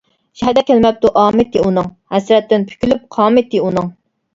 شەھەردە كەلمەپتۇ ئامىتى ئۇنىڭ، ھەسرەتتىن پۈكۈلۈپ قامىتى ئۇنىڭ.